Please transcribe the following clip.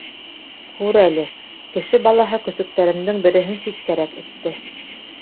Күр әле, кеше балаһы көсөктәремдең береһен ситкәрәк этте.